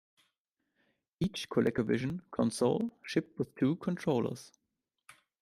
Each ColecoVision console shipped with two controllers.